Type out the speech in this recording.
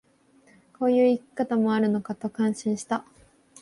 こういう生き方もあるのかと感心した